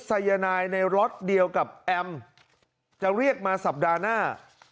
สายนายในล็อตเดียวกับแอมจะเรียกมาสัปดาห์หน้า